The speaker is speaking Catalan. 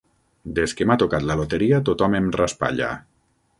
Des que m'ha tocat la loteria tothom em raspalla.